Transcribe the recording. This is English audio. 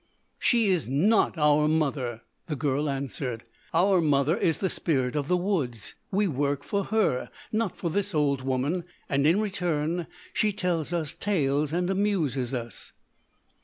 "She is not our mother!" the girl answered. "Our mother is the spirit of the woods. We work for her not for this old woman, and in return she tells us tales and amuses us."